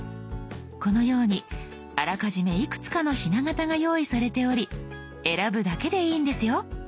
このようにあらかじめいくつかのひな型が用意されており選ぶだけでいいんですよ。